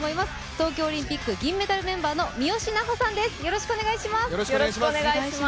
東京オリンピック銀メダルメンバーの三好南穂さんです。